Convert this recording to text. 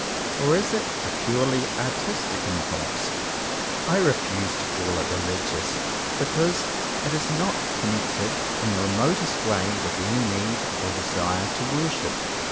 Or is it a purely artistic im pulse? I refuse to call it religious, because it is not connected in the remotest way with any need or desire to worship.